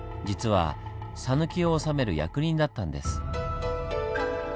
実は讃岐を治める役人だったんです。